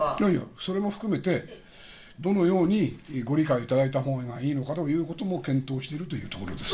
それを含めてどのようにご理解いただいたほうがいいのかというところも検討しているところです。